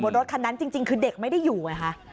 รถคันนั้นจริงคือเด็กไม่ได้อยู่ไงคะ